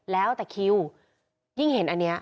แล้วแต่คิวยิ่งเห็นอันนี้